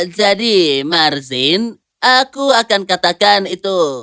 jadi marzin aku akan katakan itu